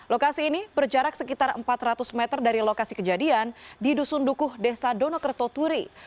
lokasi ini berjarak sekitar empat ratus meter dari lokasi kejadian di dusun dukuh desa donokerto turi